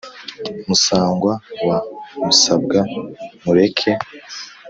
musangwa wa musabwa mureke,